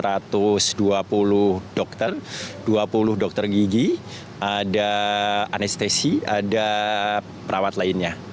ada satu ratus dua puluh dokter dua puluh dokter gigi ada anestesi ada perawat lainnya